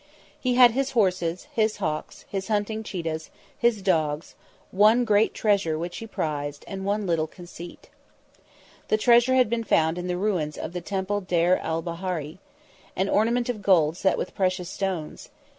He had his horses, his hawks, his hunting cheetahs, his dogs; one great treasure which he prized and one little conceit. The treasure had been found in the ruins of the Temple Deir el Bahari. An ornament of gold set with precious stones.